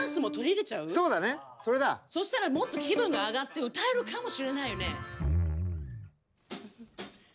そしたらもっと気分が上がって歌えるかもしれないね。